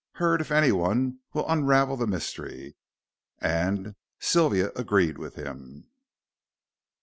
Hurd, if anyone, will unravel the mystery," and Sylvia agreed with him.